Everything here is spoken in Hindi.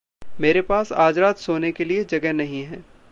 मेरे पास आज रात सोने के लिए जगह नहीं है।